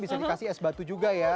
bisa dikasih es batu juga ya